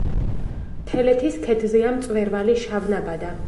თელეთის ქედზეა მწვერვალი შავნაბადა.